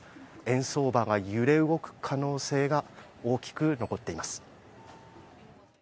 円相場が揺れ動く可能性が大きく残っています。